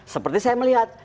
seperti saya melihat